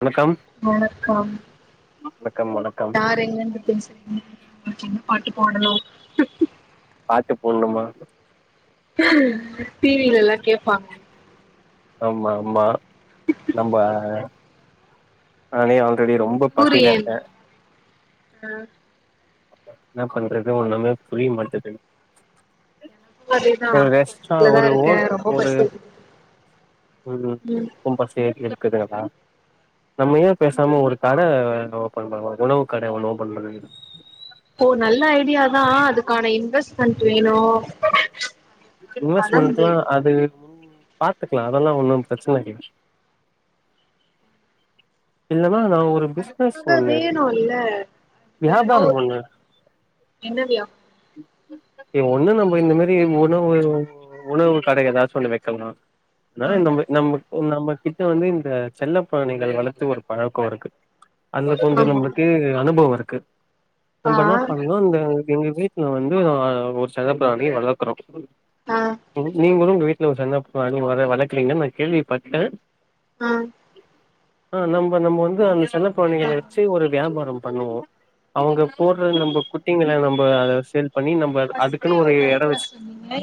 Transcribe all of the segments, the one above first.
வணக்கம் வணக்கம் வணக்கம் வணக்கம் தா இப்ப எங்க இருந்து பேசறீங்க உங்களுக்கு என்ன பாட்டு போடணு பாட்டு போட்ணுமா டி வி ல எல்லா கேப்பாங்க ஆமா ஆமா நம்ப நானே ஆல்ரெடி ரொம்ப பசில சூரியன் இருக்கே என்னா பண்றது ஒன்னுமே புரிய மாட்டேது அதேதா ஒரு ரெஸ்டோ பஸ்லதா ஒரு ஒ இருக்கே ரொம்ப ஒரு பசிக்குது உம் ம் நூத்தம்பது சேத்து எடுத்துகிறதா நம்ப ஏன் பேசாம ஒரு கட ஓப்பன் பண்லா உணவு கட ஒண்ணு ஓப்பன் பண்ணிக் இப்போ நல்ல ஐடியாதா அதுக்கான இன்வெஸ்ட்மென்ட் வேணு பணம் இன்வெஸ்ட்மெண்டலா வேணு அது முடிஞ்சின்னு பாத்துக்கலா அதெல்லா ஒன்னும் பிரச்சன இல்ல இந்த மாறிதா ஒரு பிஸ்னஸ் அதுக்காக ஒண்ணு வேணு இல்ல ஏதோ வியாபாரம் ஒண்ணு என்ன வியா ஒண்ணு நம்ப இந்த மாறி உணவு உணவு கட எதாச்சும் ஒன்னு வெக்கலா நா இந்த வியாபாரம் நம்ம நம்ம நம்ம கிட்ட வந்து இந்த செல்ல பிராணிகள் வளத்து ஒரு பழக்கோ இருக்கு அங்க கொஞ்சோ ஆமா நம்பளுக்கு அனுபவோ இருக்கு ஆ நம்ப என்னாப் பண் ஏதோ இந்த எங்க வீட்ல வந்து ஒரு செல்ல பிராணி வளக்குறோ ஆ நீங்களு உங்க வீட்ல ஒரு செல்லபிராணி வள வளக்குறீங்கனு நா கேள்விபட்டே ஆ அ நம்ப நம்ம வந்து அந்த செல்ல பிராணிக சு ஒரு வியாபாரோ பண்ணுவோ அவுங்க போடுற நம்ப குட்டிங்கள நம்ப அத சேல் பண்ணி நம்ப அது அதுக்குன்னு ஒரு எட வச்சுக்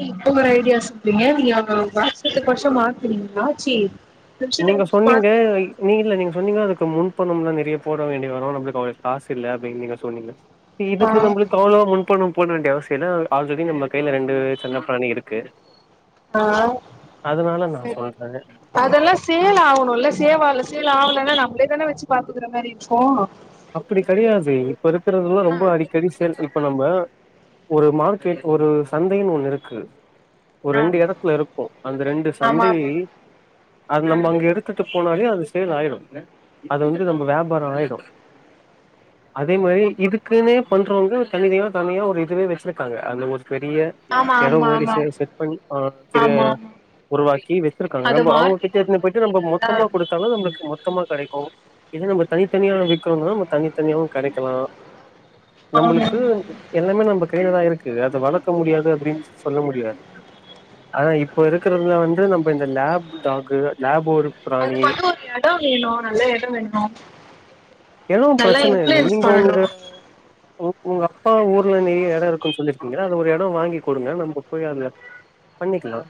இப்ப ஒரு ஐடியா சொல்றீங்க நீங்க அவ வருசத்துக்கு வருசோ மாத்துறீங்களா சி நீங்க சொன்னீங்க நீங்க இல்ல நீங்க சொன்னீங்க அதுக்கு முன் பணம் லா நெறைய போட வேண்டி வரு நம்ளுக்கு அவளோ காசு இல்ல அப்டின்னு நீங்க சொன்னீங்க இ இதுக்கு ஆ நம்பளுக் அவ்ளோ முன்பணோ போட வேண்டிய அவசிய இல்ல ஆல்ரெடி நம்ம கையில ரெண்டு செல்ல பிராணி இருக்கு ஆ அதுனால நா சொல்றே அதேல்லா சேல் ஆவுனுல சேவ் ஆகல சேல் ஆவலன்னா நம்பளே தானே வச்சு பாத்துக்குற மாரி இருக்கு அப்டி கெடையாது இப்ப இருக்கறதெல்லா ஆ ரொம்போ அடிக்கடி சேல்ஸ் இப்ப நம்ப ஒரு மார்க்கெட் ஒரு சந்தைன்னு ஒண்ணு இருக்கு ஒரு ஆ ரெண்டு எடத்துல இருக்கு அந்த ரெண்டு ஆமா சந்தை அது ஆமா நம்ம அங்க எடுத் த்துட்டு போனாலே அது சேல் ஆயிடு அது வந்துட்டு நம்ப வியாபாரோ ஆயிடு அதே மாரி இதுக்குன்னே பண்றவுங்க சலுகையா தனியா ஒரு இதுவே வச்சிருக்காங்க அந்த ஒரு பெரிய ஆ ஆமா எடோ ஆமா மாரி ஆமா ஆமா சேல் செட் பண்ணி அ ஆமா கிருகாங்க உருவாக்கி வச்சிருக்காங்க அத நம்ப அவுங்க கிட்ட மார்க்கெட்டிங் எத்துனு போயிட்டு பண்ணி நம்ம நல்லா மொத்தமா கொடு த்தாலு நம்பளுக்கு மொத்தமா கெடைக்கு ஏதோ நம்ப தனித்தனியா விக் கனுனா நம்ம தனி தனியாவு கெடைக்கலா ஆமா நம்பளுக்கு எல்லாமே நம்ப கைலதா இருக்கு அத வளக்க முடியாது அப்டின்னு சொல்ல முடியாது ஆதா இப்ப இருக்குறதுல வந்து நம்ப இந்த லேப் டாக்கு லேப் ஒரு அது பிராணி மட்டு ஒரு எடோ வேணு நல்ல எடோ வேணு எதடோ நல்லா பிரச்சன இல்ல இன்ஃப்ளூயன்ஸ் நீங்க பண்ணணு உங்க உ உங்க அப்பா ஊர்ல நெறைய எடம் இருக்குன்னு சொல்லிருக்கீங்கல்ல அத ஒரு எடோ வாங்கி குடுங்க நம்ப போய் அத பண்ணிக்கலா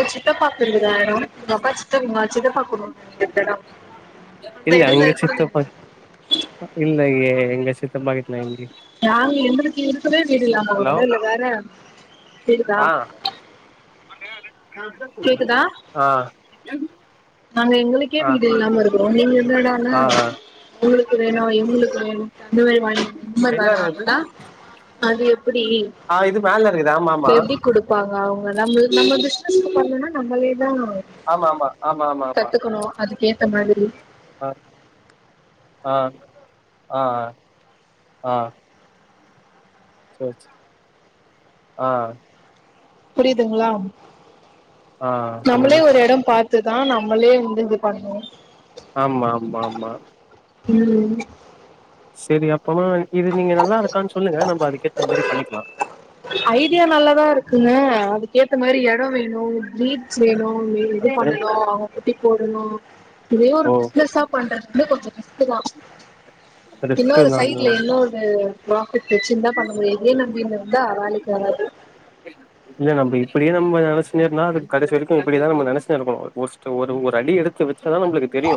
எ சித்தப்பாக்கு தெரிஞ்ச எடோ எங்க அப்பா சித்தங்க சித்தபாக் [inaudible] எடோ அந்த எடத்த கூட இல்லையே எங்க சித்தப்பா வீட்ல [unintelligible] நாங்க எங்களுக்கு இருக்கதே வீடு இல்லாம வருவாங்க இதுல வேற கேக்குதா ஆ கேக்குதா ஆ நாங்க எங்களுக்கே ஆ வீடு இல்லாம இருக்கிறோ நீங்க என்னடானா ஆ ஆ உங்களுக்கு வேணு எங்களுக்கு வேணு கந்தவேல் வாங்கி [unintelligible] எங்க வேணா இருக்குது ணா அது எப்புடி ஆ இது மேல இருக்குது ஆமா ஆமா ப்பாங்க அவுங்க நம்ள் நம்ப பிசினஸ் பண்லேனா நம்மளேதா ஆமா ஆமா ஆமா ஆமா கத்துக்கணு அதுக்கு ஏத்த மாதிரி ஆ ஆ ஆ ஆ ஆ சேர் சே ஆ புரியுதுங்களா ஆ சொல்லுங்க சொல்லுங்க இதுதா நம்மளே வந்து இது பண்ணுவோ ஆமா ஆமா ஆமா ம் செரி அப்பமா இது நீங்க நல்லா இருக்கான் சொல்லுங்க நம்ம அதுக்கேத்த மாரி பண்ணிக்லா ஐடியா நல்லாதா இருக்குங்க அதுக்கேத்த மாரி எடோ வேணு வீ செய்ணு வீ இது பண்ணணு அவ்ங்க குட்டி போடணு இதே ஒரு ஓ பிஸ்னஸ்ஸா பண்றது வந்து கொஞ்சொ ரிஸ்க்கு தா ரிஸ்க்கு இன்னோரு நாங்க சைட்ல இன்னோரு ப்ராஃபிட் வெச்சுந்தா பண்ண முடியு இத்யே நம்பின்னு இருந்தா வேலெக்கி ஆகாது இல்ல நம்ப இப்பிடியே நம்ப நனச்சுன்னே இருந்தா அது கடேசி வரைக்கு இப்பிடிதா நம்ம நனச்சே இருக்கணு ஒரு ஒரு ஒரு அடி எடுத்து வெச்சாதா நம்பளுக்கு தெரியு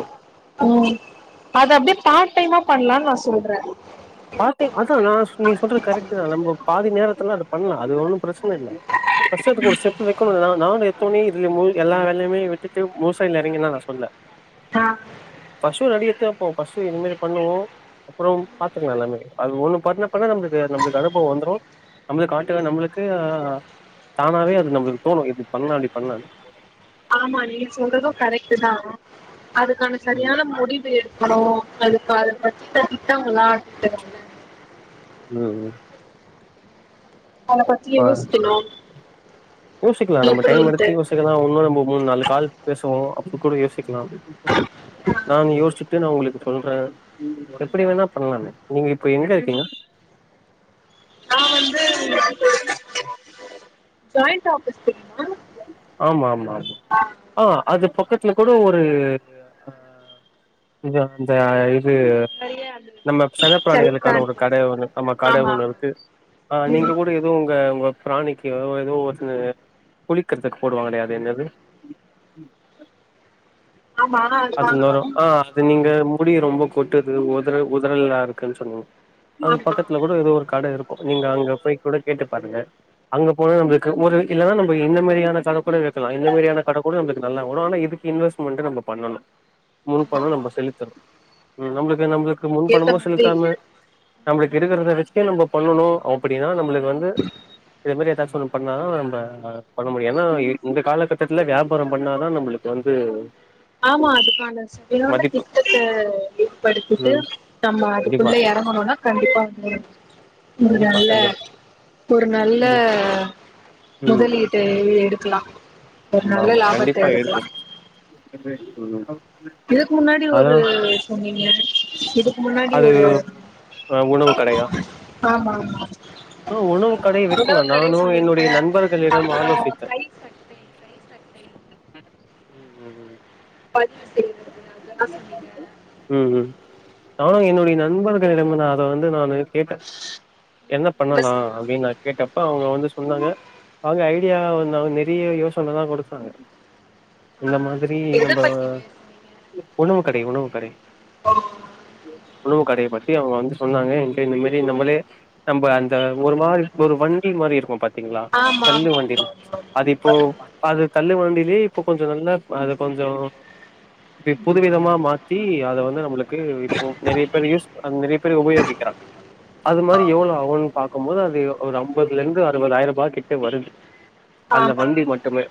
ம் அது அப்டியே பார்ட் டைமா பண்ணலான்னு நா சொல்ற பார்ட்டைம் அதா நா நீ சொல்றது கரெக்ட்டு தா நம்ம பாதி நேரத்துல அது பண்லா அது ஒன்னு ப்ரச்சன இல்ல ஃபஸ்ட்டு இதுக்கு ஒரு ஸ்டெப்பு வெ க்கெணு தா நான் எத்தொன்னே இதுல மூழ் எல்லா வேல்யுமே விட்டுட்டு மூசா இத்ல எறங்கின்னா நா சொல்ல்ல ஆ ஃபஸ்சு ஒரு அடி எடுத்து வெப்போ ஃபஸ்சு என்ன மாரி பண்ணுவோ அப்பறோ பாத்துக்கலா எல்லாமே அது ஒன்னு பண்ண பண்ண நம்மளுக்கு நம்மளுக்கு அனுபவோ வந்துரு நம்மளுக்கு காட்டுக்க நம்மளுக்கு ஆ தானாவே அது நம்மளுக்கு தோணு இது பண்ணலா அப்டி பண்ணலான்னு ஆமா நீங் சொல்றது கரெட்டு தா அதுக்கான செரியான முடிவு அப்பறோ அதுக்காக ப திட்டாங்கள் எல்லா ம் ம் அத பத்தி இப்ப யோசிக்கெணு யோசிக்கலா நம்ம டைம் எடுத்து யோசிக்கலா ஒன்னு நம்ம மூனு நாலு கால் பேசுவோ அப்போ கூட யோசிக் லா நானு யோசிச்சுட்டு நா உங்களுக்கு சொல்ற எப்பிடி வேணா பண்ணலாமே நீங்க இப்ப எங்க இருக்கீங்க நா வந்து ஜாய்ண்ட் ஆபீஸ்க்கு ஆமா ஆமா ஆமா ஆ அது பக்கத்துல கூட ஒரு ஆ இது அந்த இது நெறைய அது நம்ம செல்ல செனப்பிராணிகளுக்கான ஒரு பிராணிகள் கட ஒன்னு நம்ம கட ஆமா ஒன்னு இருக்கு ஆ நீங்க கூட எ உங்க உங்க பிராணிக்கு எ எதோ ஒன்னு குளிக்கெற்க்கு போடுவாங்களே அது என்னது ஆமா ஆமா அது நொறோ வாங்கனு ஆ அது நீங்க முடி ரொம்ப கொட்டுது ஒதர ஒதரலா இருக்குன்னு சொன்னீங்க அது ஆமா பக்கத் ல்ல கூட எதோ ஒரு கட இருக்கு நீங்க அங்க போய் கூட கேட்டு பாருங்க அங்க போன நம்ளுக்கு ஒரு இல்லன்னா நம்ப இந்த மாரியான கட கூட வெக்கலா இந்த மாரியான கட கூட நம்பளுக்கு நல்லா ஓடு ஆனா இது இன்வெஸ்ட்மென்ட்டு நம்ப பண்ணனு முன் பனோ நம்ம செலுத்தனு நம்ளுக்கு நம்ளுக் கு முன் ஏத்த பணமூ மாரி செலுத்தாம நம்ளுக்கு இருக்கறத வெச்சே நம்ம பண்ணணு அப்டின்னா நம்ளுக்கு வந்து இதே மாரி எதாச்சு ஒன்னு பண்ணா தா நம்ம அ பண்ண முடியு எனா இந்த காலகட்டத்துல வியாபாரொ பண்ணா தா நம்ளுக் வந்து ஆமா அதுக்கான விநோன மதிப்பு திட்டத்த ஏற்படுத்தீட்டு ம் நம்ம கண்டிப்பா அதுக்குள்ள எறங்கணுன்னா கண்டிப்பா வ ஒரு கண்டிப்பா வேள கண்டிப்பா ஒரு நல்ல ம் ம் முதலீடு எடுக்கலா ஒரு நல்ல லாபத்த எடுக்கலா பென்ட்ரெவ் சொருகுன அவ் இதுக்கு முன்னாடி ஒரு சொன்னீங்க இதுக்கு முன்னாடி ஒரு ஆ உணவு கடையா ஆமா ஆமா ஆ உணவு கடைய விக்கலா உணவுக்கடை நானு சொன்னீங்க என்னுடைய நண்பர்களிட அப்புறோ ஆலோசித்த கை சட்டை கை சட்டை ம் ம் ம் ம் பதிவு செய் [inaudible] ம் ம் நானு என்னுடைய நண்பர்களிட நா அத வந்து நானு கேட்டே என்ன பண்ணலா அப்டின்னா கேட்டப்ப அவுங்க வந்து சொன்னாங்க அவுங்க ஐடியா வந்து அவுங்க நிறைய யோசனல்லா குடுத்தாங்க. இந்த மாதிரி எத நம்ப பத்தி பேசுனீங்க உணவு கடை உணவு கடை [unintelligible] உணவு கடையை பத்தி அவுங்க வந்து சொன்னாங்க என்ட இந்தமாரி நம்மளே நம்ம அந்த ஒரு மாரி ஒரு வண்டி மாரி இருக்கு பாத்தீங்களா ஆமா தள்ளு ஆமா வண்டி ஆமா அது இப்போ அது தள்ளு வண்டிலயே இப்போ கொஞ்ச நல்லா அது கொஞ்சோ இப்ப புது விதமா மாத்தி அத வந்து நம்மளுக் கே இப்போ நெறைய பேரு யூஸ் அ நெறைய பேர் உபயோகிக்கிறாங்க. அது மாரி எவ்ளோ அவுன்னு பாக்கு போது அது ஒரு அம்பதுல இருந்து அறுபதாயிர் ரூபாய கிட்ட வருது அந்த ஆமா ஆமா வண்டி மட்டுமே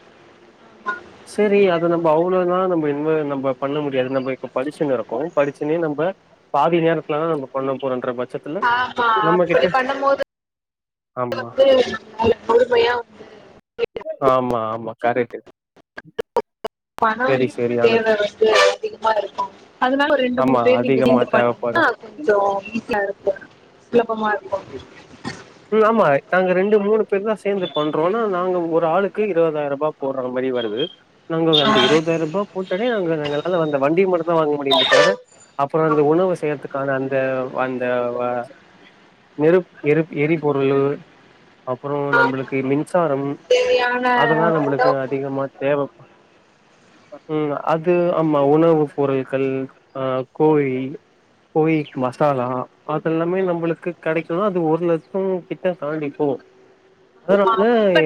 சேரி அது நம்ப அவ்ளோ நாளா நம்ப [unintelligible] நம்ம பண்ண முடியாது நம்ம இப்ப படிச்சுட்டு இருக்கு படிச்சனே நம்ப பாதி நேரத்துல தா நம்ப பண்ண போறேன்ற பட்சத் ஆமா அப்டி பண்ண மோது ஆமா வந்து முழு முழுமையா வந்து ஆமா ஆமா கரெக்ட் பணோ சரி இல் சரியானது தேவை வந்து அதிகமா இருக்கு அதுனால ஒரு ரெண்டு மூணு ஆமா பேர் நீங்க அதிகமா சேந்து தேவப்படு பண்ணீங்கன்னா கொஞ்சோ ஈஸியா இருக்கு சுலபமா இருக்கு ம் ம் ஆமா நாங்க ரெண்டு மூணு பேரு தா சேந்து பண்றோ ஆனா நாங்க ஒரு ஆளுக்கு இருபதாயிர்பா போட்ற மாரி வருது நாங்க அந்த இருபதாயிர் ரூபா போட்டாலே [unintelligible] நாங்க அந்த வண்டி மட்டு தா வாங்க முடியுமே தவர அப்பறோ அந்த உணவு செய்யறதுக்கான அந்த அந்த அ நெருப் எரிப் ஏரி எரிபொருள்ளு அப்பறோ நம்மளுக்கு மின்சாரம் தேவையான அதெல்லா நம்ளுக்கு உணவு அதிகமா தேவைப் ம் அது ஆமா உணவு பொருள்கள் அ கோழி கோழிக் மசாலா அதெல்லாமே நம்மளுக்கு கடைக்கும்னா அது ஒரு லட்ச கிட்ட தாண்டிப்போவு அதனால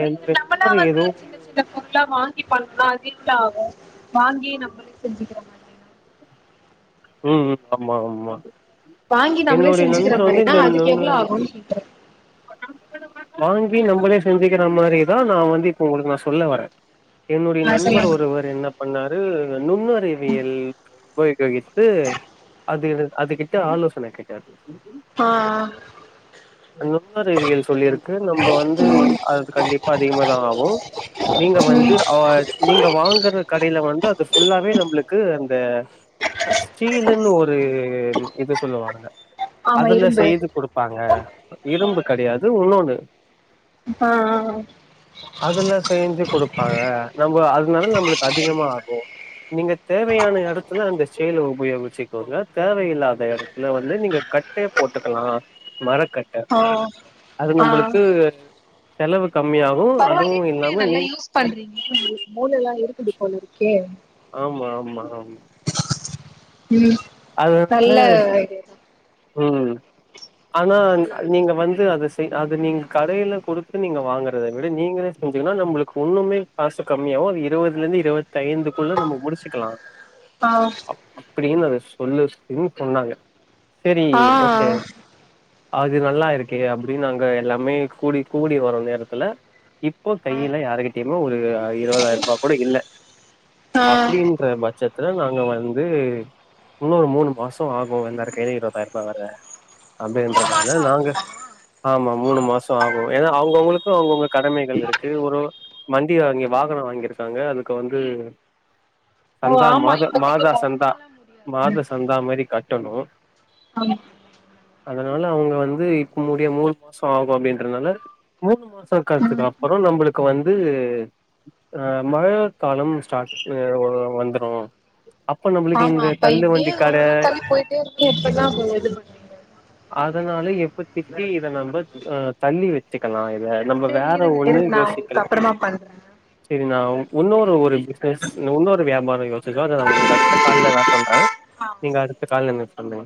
என்னுடைய நண்பர் எதுவு சில பொருள வாங்கி பண்ணா அது எவ்ளோ ஆகு வாங்கி நம்மளே செஞ்சிக்கிற மா ம் ம் ஆமா ஆமா அது வாங்கி நம்மளே செஞ்சிக்கிற மாரினா அதுக்கு இன்னொன்னு எவ்வளோ ஆகுன்னு கேக்குறே வாங்கி நம்மளே செஞ்சிக்கிற மாரிதா நா வந்து இப்ப உங்களுக்கு நா சொல்ல வாரே என்னுடைய ஆ நண்பர் சொல்லுங்க ஒருவர் என்ன பண்ணாரு நுண்ணறிவியல் உபயோகித் து அது [unintelligible] அது கிட்ட ஆலோசன கேட்டாரு ஆ ஆ நுண்ணறிவியல் சொல்லிருக்கு நம்ம வந்து இ அது கண்டிப் பா அதிகமாதா ஆகு நீங்க வந்து அ நீங்க வாங்கற கடையில வந்து அது ஃபுல்லாவே நம்மளுக்கு அந்த ஸ்டில்லுனு ஒரு இது சொல்லுவாங்க ஆமா அதுல இரும்பு செய்து குடு ப்பாங்க இரும்பு கடயாது உ உன்னொண்ணு ஆ அ அதல்லா செஞ்சு குடுப்பாங்க நம்ம அதனால நம்மளுக்கு அதிகமா ஆகு நீங்க தேவயான எடத்துல அந்த சேல உபயோகிச்சுக்கோங்க தேவயில்லாத இடத்துல வந்து நீங்க கட்டே போட்டுக்கலா மரக்கட் ஓ அது நம்மளுக்கு செலவு கம்மியாகு அது மூளய நல்லா யூஸ் பண்றீங்க உங்களுக்கு மூளல்லாம் இருக்குது போலர்க்கே ஆமா ஆமா ஆமா ம் நல்ல அதனால ம் ஆனா நீங்க வந்து அத செய் அது நீங்க கடயில குடுத்து நீங்க வாங்கறத விட நீங்களே சங்கன்னா நம்மளுக்கு இண்ணுமே காசு கம்மியாகு அது இருவதுல இருந்து இருவத் ஐந்துதுக்குள்ள நம்ம முடிச்சுக்கலா ஆ அப்டின்னு அத சொல்லுன்னு சொன்னாங்க சரி ஆ ஓகே அது நல்லா இருக்கே அப்டின்னு நாங்க எல்லாமே கூடி கூடி வர நேரத்துல இப்போ கைல யாருக்கிட்டயுமே ஒரு இருவதாயிரூபா கூட இல்ல ஆ அப்டின்ற பட்சத்துல நாங்க வந்து இன்னு ஒரு மூணு மாசோ ஆகு எல்லாரு கையிலும் இருவதாயிரூபா வர அப்டின்றதுனால நாங்க ஆமா மூணு மாசோ ஆகு ஏன்னா அவங்கவுங்களுக்கு அவங்கவுங்க கடமைகள் இருக்கு ஒரு வண்டி வாங்கி வாகனோ வாங்கியிருக்காங்க அதுக்கு வந்து ஓ சந்தா ஆமா மாத இப்பதைக்கு மாதா உடனே சந்தா மாத சந்தா மாரி கட்டணு அதனால அவங்க வந்து இப்பமுடிய மூணு மாசோ ஆகு அப்டின்றதுனால மூணு மாச காலத்துக்கு ம் அப்றம் நம்மளுக்கு வந்து அ மழ காலம் ஸ்டாட் வந்துரு அப்ப நம்மளுக்கு இந்த இப்ப தள்ளு வண்டி இப்டியே கட ஒன்னொன்னா தள்ளி போயிட்டே இருக்கு எப்டினான்து பண்ண அதனால எப்பத்திக்கு இத நம்ம அ தள்ளி வச்ச க்கலா இத நம்ம சரி வேற இருங்க ஒண்ணு இருங்க நான் யோசிக்கல் உங்களுக்கு அப்புறமா பண்றேன் சரி நா உன்னொரு ஒரு பிசினஸ் உன்னொரு வியாபாரோ யோசச்சுக்கோ அத நா உங்களுக்கு அடுத்த கால்ல தா சொல்றே ஆ நீங்க அடுத்த கால்ல சொன்ன